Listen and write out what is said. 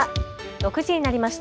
６時になりました。